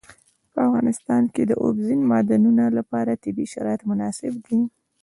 په افغانستان کې د اوبزین معدنونه لپاره طبیعي شرایط مناسب دي.